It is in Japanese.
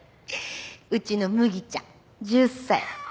うちのムギちゃん１０歳。